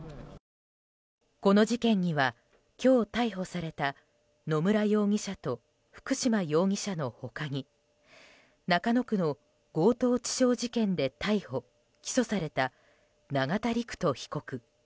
この事件には今日、逮捕された野村容疑者と福島容疑者の他に中野区の強盗致傷事件で逮捕・起訴された永田陸人被告。